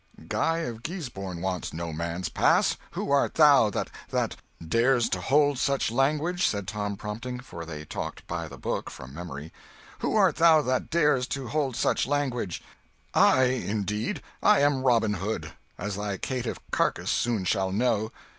"Guy of Guisborne wants no man's pass. Who art thou that—that—" "Dares to hold such language," said Tom, prompting—for they talked "by the book," from memory. "Who art thou that dares to hold such language?" "I, indeed! I am Robin Hood, as thy caitiff carcase soon shall know."